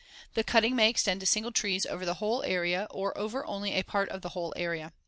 The cutting may extend to single trees over the whole area or over only a part of the whole area.